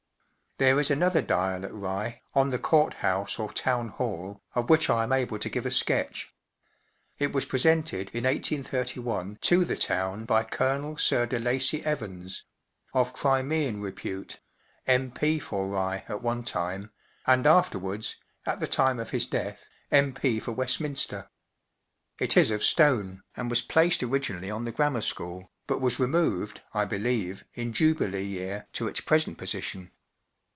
There is another dial at Rye, on the Court House or Town Hall, of which I am able to give a sketch. It was presented in 1831 to the town by Colonel Sir De Lacy Evans (of Crimean repute), M.P* for Rye at one time, and afterwards, at the time of his death, M.P. for Westminster. It is of stone, and was placed originally on the Grammar School, but was re¬ moved, I believe, in Jubilee year to its present position.